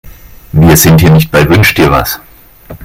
Wir sind hier nicht bei Wünsch-dir-was.